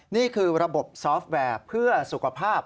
นี่คือระบบซอฟต์แวร์เพื่อสุขภาพ